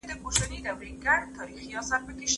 تعلیم لرونکې میندې د ماشومانو د خوړو پاک لوښي کاروي.